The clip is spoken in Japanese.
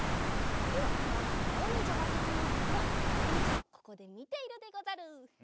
ではまずあおにんじゃがさきにいくからりくにんじゃはここでみているでござる！